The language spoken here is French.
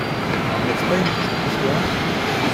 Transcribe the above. N’est-ce pas une touchante histoire ?